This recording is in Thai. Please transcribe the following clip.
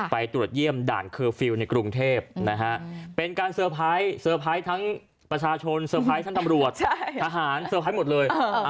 ไปตรวจเยี่ยมด่านเคอร์ฟิลล์ในกรุงเทพนะฮะเป็นการเซอร์ไพรส์เตอร์ไพรส์ทั้งประชาชนเซอร์ไพรส์ท่านตำรวจทหารเซอร์ไพรส์หมดเลย